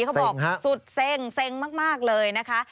เขาบอกสุดเซ็งเซ็งมากเลยนะคะ